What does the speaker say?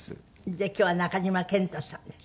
で今日は中島健人さんです。